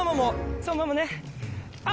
そのままねあっ。